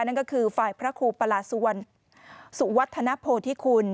นั่นก็คือฝ่ายพระครูประหลาสุวรรณสุวัฒนโพธิคุณ